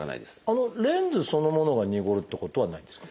あのレンズそのものがにごるってことはないんですか？